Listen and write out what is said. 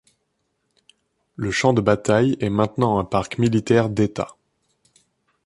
Le champ de bataille est maintenant un parc militaire d'État.